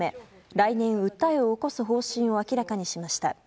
来年、訴えを起こす方針を明らかにしました。